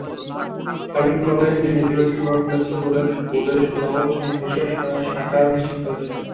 সার্বিক ফলাফলে এটি নেতিবাচক প্রভাব ফেলেছে বলে বোর্ডের ফলাফল-সংশ্লিষ্ট শাখা নিশ্চিত করেছে।